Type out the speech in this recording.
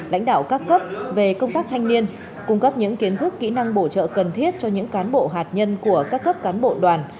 lãnh đạo các cấp về công tác thanh niên cung cấp những kiến thức kỹ năng bổ trợ cần thiết cho những cán bộ hạt nhân của các cấp cán bộ đoàn